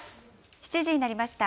７時になりました。